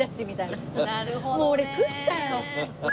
みたいな。